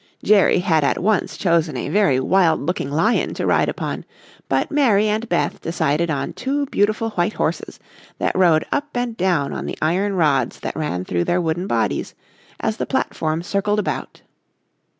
Jerry had at once chosen a very wild looking lion to ride upon, but Mary and Beth decided on two beautiful white horses, that rose up and down on the iron rods that ran through their wooden bodies, as the platform circled about.